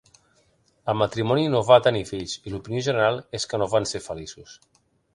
El matrimoni no va tenir fills, i l'opinió general és que no van ser feliços.